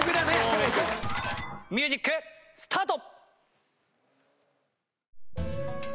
ミュージックスタート！